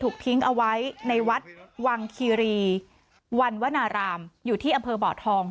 ทิ้งเอาไว้ในวัดวังคีรีวันวนารามอยู่ที่อำเภอบ่อทอง